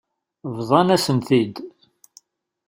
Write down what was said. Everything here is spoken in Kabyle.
Bḍan-asen-t-id.